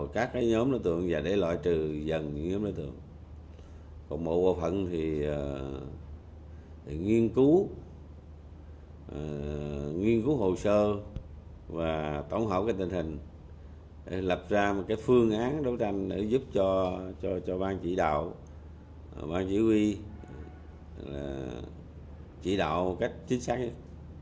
các nhóm đối tượng và để loại trừ dần những nhóm đối tượng cộng bộ bộ phận thì nghiên cứu nghiên cứu hồ sơ và tổng hợp cái tình hình để lập ra một cái phương án đấu tranh để giúp cho bang chỉ đạo bang chỉ huy chỉ đạo một cách chính xác nhất